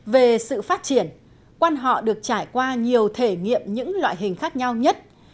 về sự phát triển quan họ được trải qua nhiều thể nghiệm những loại hình khác nhau nhất